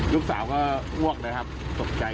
ลูกสาวก็อ้วกเลยครับตกใจ